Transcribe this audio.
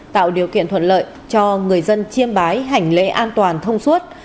tạo điều kiện thuận lợi cho người dân chiêm bái hành lễ an toàn thông suốt